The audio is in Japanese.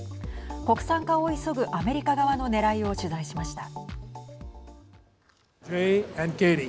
国産化を急ぐアメリカ側のねらいを取材しました。